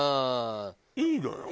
いいのよ。